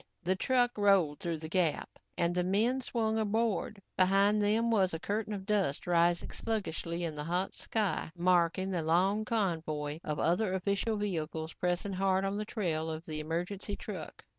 The truck rolled through the gap and the men swung aboard. Behind them was a curtain of dust rising sluggishly in the hot sky, marking the long convoy of other official vehicles pressing hard on the trail of the emergency truck.